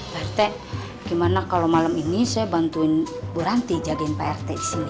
pak rt gimana kalau malam ini saya bantuin bu ranti jagain pak rt di sini